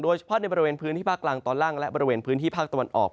เฉพาะในบริเวณพื้นที่ภาคกลางตอนล่างและบริเวณพื้นที่ภาคตะวันออก